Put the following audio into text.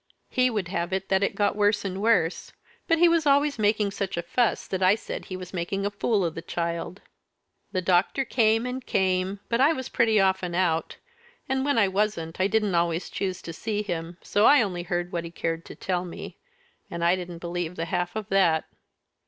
He would have it that it got worse and worse, but he was always making such a fuss that I said he was making a fool of the child. The doctor came and came, but I was pretty often out, and when I wasn't I didn't always choose to see him, so I only heard what he cared to tell me and I didn't believe the half of that.